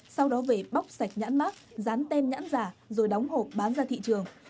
sau đó về bóc sạch nhãn mát dán tem nhãn giả rồi đóng hộp bán ra thị trường